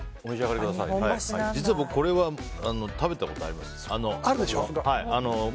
実は、僕これは食べたことあります。